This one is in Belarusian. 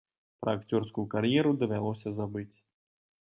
Пра акцёрскую кар'еру давялося забыць.